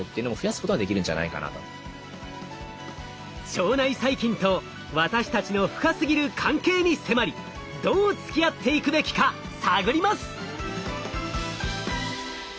腸内細菌と私たちの深すぎる関係に迫りどうつきあっていくべきか探ります。